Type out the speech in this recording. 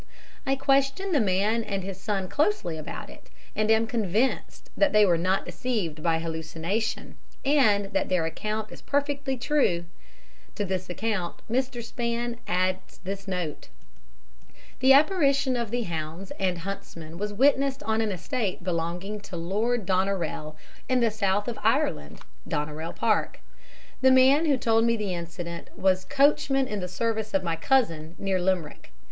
I questioned the man and his son closely about it, and am convinced they were not deceived by hallucination, and that their account is perfectly true." To this account Mr. Span adds this note: "The apparition of hounds and huntsman was witnessed on an estate belonging to Lord Doneraile, in the South of Ireland (Doneraile Park); the man who told me the incident was coachman in the service of my cousin, near Limerick.